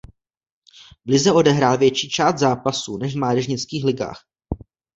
V lize odehrál větší část zápasů než v mládežnických ligách.